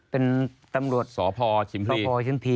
เป็นตำรวจสพชพอชิมที